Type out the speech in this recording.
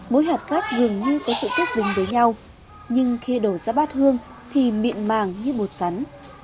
mỗi hạt cát dường như có sự kết dính với nhau nhưng khi đổ ra bát hương thì mịn màng như một sắn